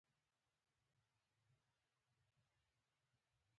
مځکه د عدالت غوښتنه کوي.